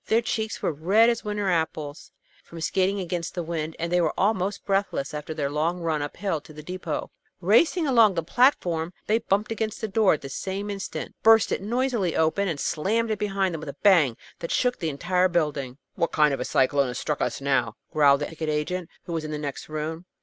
Their cheeks were red as winter apples, from skating against the wind, and they were almost breathless after their long run up hill to the depot. Racing across the platform, they bumped against the door at the same instant, burst it noisily open, and slammed it behind them with a bang that shook the entire building. "What kind of a cyclone has struck us now?" growled the ticket agent, who was in the next room.